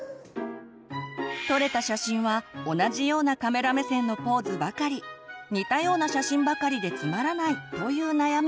撮れた写真は同じようなカメラ目線のポーズばかり似たような写真ばかりでつまらないという悩みも。